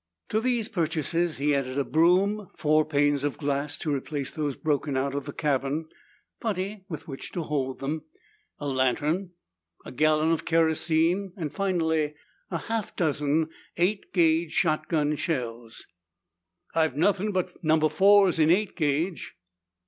To these purchases he added a broom, four panes of glass to replace those broken out of the cabin, putty with which to hold them, a lantern, a gallon of kerosene, and finally, "A half dozen eight gauge shotgun shells." "I've nothing but number fours in eight gauge."